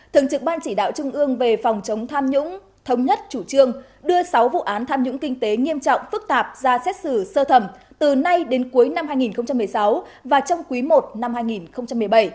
thường trực ban chỉ đạo trung ương về phòng chống tham nhũng thống nhất chủ trương đưa sáu vụ án tham nhũng kinh tế nghiêm trọng phức tạp ra xét xử sơ thẩm từ nay đến cuối năm hai nghìn một mươi sáu và trong quý i năm hai nghìn một mươi bảy